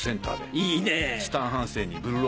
いいね！